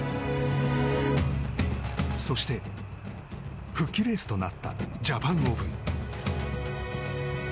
そして、復帰レースとなったジャパンオープン。